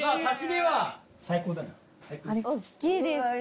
刺し身は最高だな。